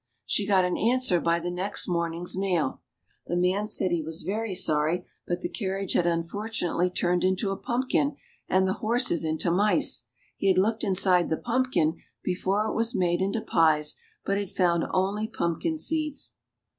She got an answer by the next morning's mail. The man said he was very sorry, but the carriage had unfortunately turned into a pumpkin and the horses into mice ; he had looked inside the pumpkin before it was made into pies, but had found only pumpkin seeds.